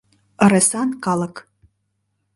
— Ыресан калык.